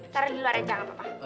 taruh di luar aja gak apa apa